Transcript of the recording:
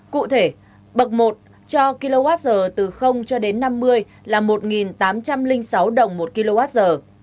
cụ thể bậc một cho kwh từ cho đến năm mươi là một tám trăm linh sáu đồng một kwh